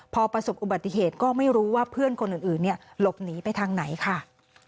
พอประสบอุบัติเหตุก็ไม่รู้ว่าเพื่อนคนอื่นหลบหนีไปทางไหนค่ะ